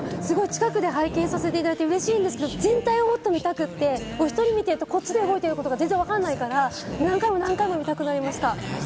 近くで拝見させていただいて嬉しいんですけど、全体をもっと見たくて、見てるとこっちで動いてることが全然わからないから、何回も見たくなりました。